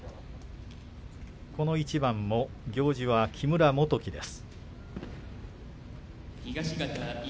この一番も行司は木村元基です。